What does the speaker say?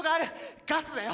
ガスだよ。